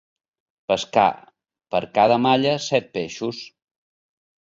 Pescar per cada malla set peixos.